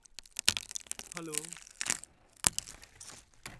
Tiempo was also a Rockefeller fellow.